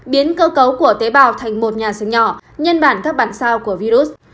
biến cơ cấu của tế bào thành một nhà sưng nhỏ nhân bản các bản sao của virus